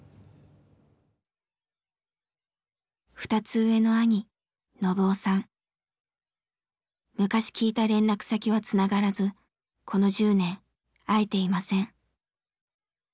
２つ上の昔聞いた連絡先はつながらずこの１０年会えていません。